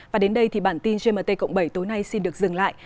và đến đây thì bản tin gmt cộng bảy tối nay xin được dừng lại